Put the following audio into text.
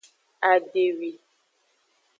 Adewi.